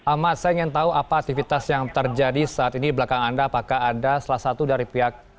ahmad saya ingin tahu apa aktivitas yang terjadi saat ini di belakang anda apakah ada salah satu dari pihak